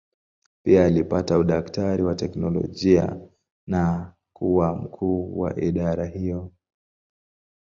Pia alipata udaktari wa teolojia na kuwa mkuu wa idara hiyo.